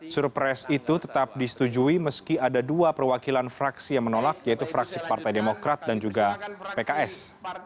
surpres itu tetap disetujui meski ada dua perwakilan fraksi yang menolak yaitu fraksi partai demokrat dan juga pks